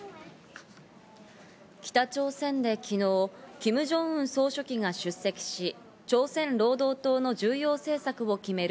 北朝鮮で昨日キム・ジョンウン総書記が出席し、朝鮮労働党の重要政策を決める